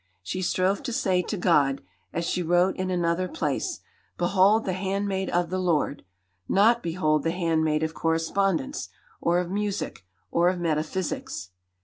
She strove to say to God, as she wrote in another place, "Behold the handmaid of the Lord! not Behold the handmaid of correspondence, or of music, or of metaphysics!"